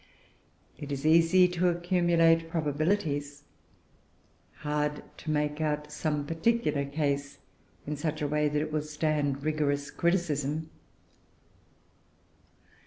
It is easy to accumulate probabilities hard to make out some particular case in such a way that it will stand rigorous criticism.